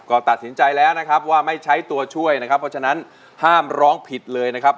ก็ตัดสินใจแล้วนะครับว่าไม่ใช้ตัวช่วยนะครับเพราะฉะนั้นห้ามร้องผิดเลยนะครับ